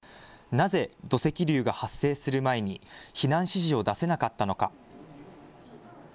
なぜ土石流が発生する前に避難指示を出せなかったのか。